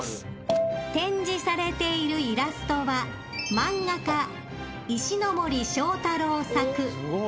「展示されているイラストは漫画家石ノ森章太郎作